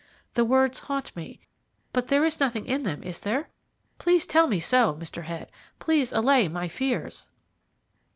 The words haunt me, but there is nothing in them, is there? Please tell me so, Mr. Head please allay my fears."